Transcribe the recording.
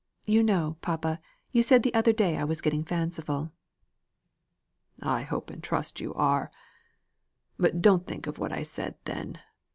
You know, papa, you said the other day I was getting fanciful." "I hope and trust you are. But don't think of what I said then.